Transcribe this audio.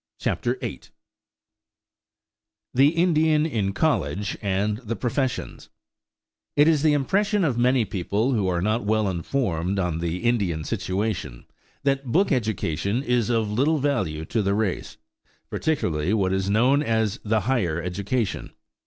CHAPTER VIII THE INDIAN IN COLLEGE AND THE PROFESSIONS It is the impression of many people who are not well informed on the Indian situation that book education is of little value to the race, particularly what is known as the higher education.